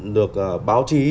được báo chí